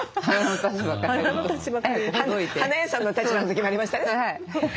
花屋さんの立場の時もありましたね。